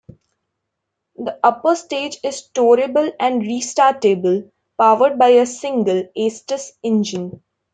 The upper stage is storable and restartable, powered by a single Aestus engine.